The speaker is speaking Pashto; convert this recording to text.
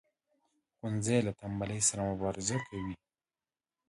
ښوونځی له تنبلی سره مبارزه کوي